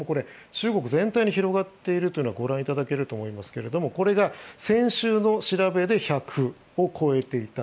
中国全体に広がっているのがご覧いただけると思いますがこれが先週の調べで１００を超えていた。